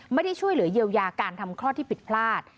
ไม่ได้ช่วยเหลือเยียวยาการทำคลอดที่ผิดพลาด